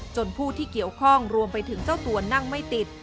ผู้ที่เกี่ยวข้องรวมไปถึงเจ้าตัวนั่งไม่ติด